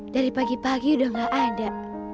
dari pagi pagi udah gak ada